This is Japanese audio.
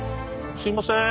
すいません。